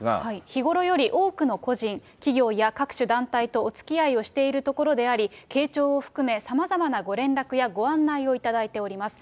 日頃より多くの個人、企業や各種団体とおつきあいをしているところであり、慶弔を含め、さまざまなご連絡やご案内を頂いております。